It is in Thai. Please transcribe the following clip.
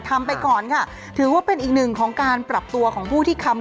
ไปก่อนค่ะถือว่าเป็นอีกหนึ่งของการปรับตัวของผู้ที่คำ